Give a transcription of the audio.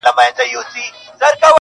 زما یادیږي د همدې اوبو پر غاړه!